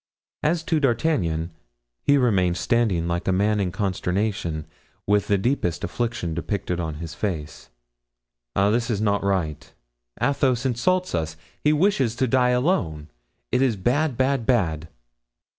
As to D'Artagnan, he remained standing like a man in consternation, with the deepest affliction depicted on his face. "Ah, this is not right; Athos insults us; he wishes to die alone; it is bad, bad, bad."